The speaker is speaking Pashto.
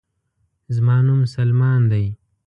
زما نوم سلمان دے